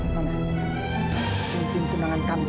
lepas itu suamiku menangkan kamus